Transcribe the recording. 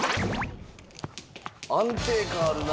安定感あるな。